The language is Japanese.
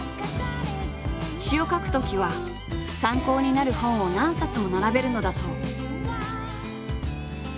詞を書くときは参考になる本を何冊も並べるのだそう。